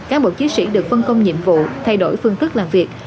các bộ chiến sĩ được phân công nhiệm vụ thay đổi phương thức làm việc